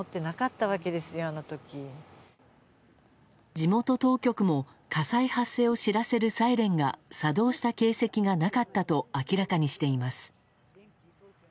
地元当局も火災発生を知らせるサイレンが作動した形跡がなかったと明らかにしています。